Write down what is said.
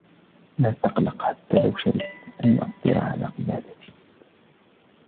لا تقلق! حتى لو شَرِبت, لن يؤثرعلى قيادتي.